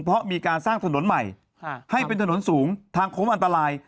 เพราะมีการสร้างถนนใหม่ให้เป็นถนนสูงทางโค้งอันตราย